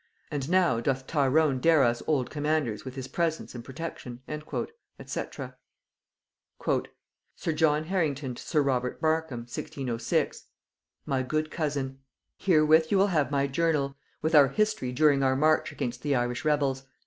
And now doth Tyrone dare us old commanders with his presence and protection." &c. [Note 134: Nugæ.] "Sir John Harrington to Mr. Robert Markham, 1606. "My good cousin, "Herewith you will have my journal, with our history during our march against the Irish rebels.